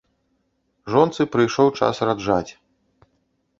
Жонцы прыйшоў час раджаць.